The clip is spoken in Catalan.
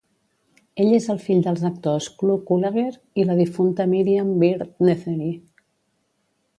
Ell és el fill dels actors Clu Gulager i la difunta Miriam Byrd Nethery.